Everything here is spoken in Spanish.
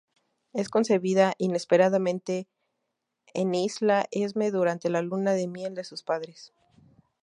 Es concebida inesperadamente en Isla Esme durante la luna de miel de sus padres.